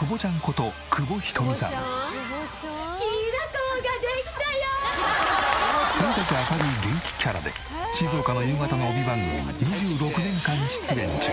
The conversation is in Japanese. とにかく明るい元気キャラで静岡の夕方の帯番組に２６年間出演中。